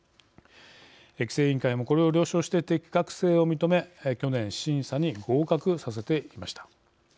規制委員会もこれを了承して適格性を認め去年審査に合格させていました。